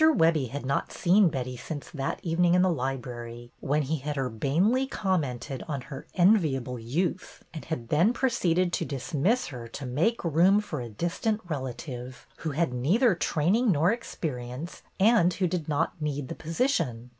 Webbie had not seen Betty since that evening in the library when he had urbanely commented on her "enviable youth," and had then proceeded to dismiss her to make room for a distant relative, who had had neither training nor experience and who did not need the position.